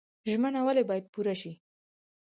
ژمنه ولې باید پوره شي؟